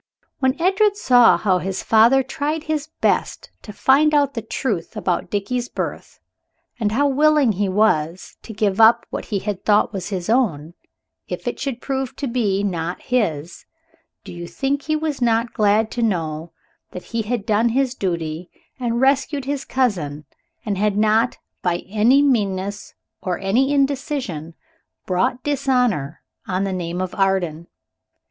When Edred saw how his father tried his best to find out the truth about Dickie's birth, and how willing he was to give up what he had thought was his own, if it should prove to be not his, do you think he was not glad to know that he had done his duty, and rescued his cousin, and had not, by any meanness or any indecision, brought dishonor on the name of Arden?